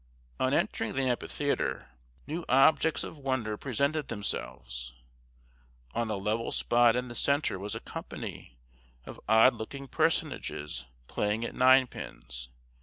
On entering the amphitheatre, new objects of wonder presented themselves. On a level spot in the centre was a company of odd looking personages playing at ninepins.